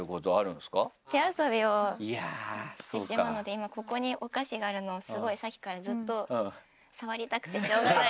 今ここにお菓子があるのをスゴいさっきからずっと触りたくてしょうがない。